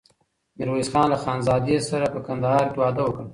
ميرويس خان له خانزادې سره په کندهار کې واده وکړ.